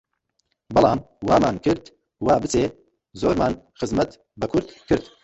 بەڵام وامان کرد، وا بچێ، زۆرمان خزمەت بە کورد کرد